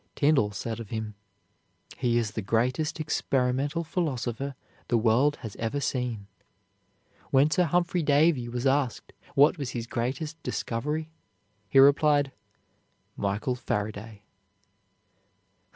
Tyndall said of him, "He is the greatest experimental philosopher the world has ever seen." When Sir Humphry Davy was asked what was his greatest discovery, he replied "Michael Faraday."